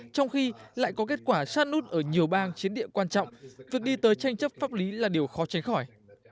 trong khi lại có kết quả sát nút ở nhiều bang chiến địa quan trọng việc đi tới tranh chấp pháp lý là điều khó tránh khỏi